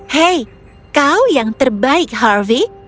hei kau yang terbaik harvey